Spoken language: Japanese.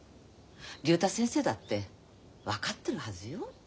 竜太先生だって分かってるはずよ。